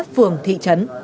phường thị trấn